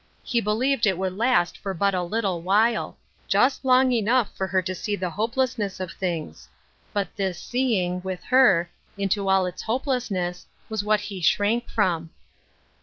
He beUeved it would last for but a little while — just long enough for her to see the hopelessness of things. But this " seeing," with her, into all its hopelessness, was what he shrank rom.